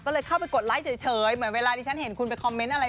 ก็เลยเข้าไปกดไลค์เฉยเหมือนเวลาที่ฉันเห็นคุณไปคอมเมนต์อะไร